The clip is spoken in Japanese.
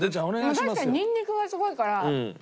でも確かにニンニクがすごいから。